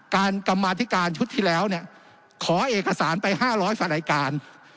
กรรมธิการชุดที่แล้วขอเอกสารไป๕๐๐ฝนรายการ